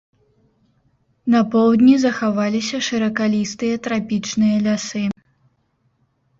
На поўдні захаваліся шыракалістыя трапічныя лясы.